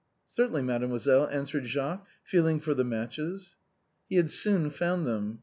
" Certainly, mademoiselle," answered Jacques, feeling for the matches. He had soon found them.